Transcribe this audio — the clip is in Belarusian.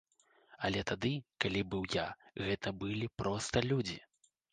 Але тады, калі быў я, гэта былі проста людзі.